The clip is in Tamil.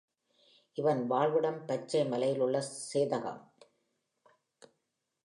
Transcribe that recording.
இவன் வாழ்விடம் பச்சை மலையிலுள்ள சேதகம்.